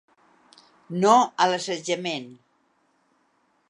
No a l’assetjament.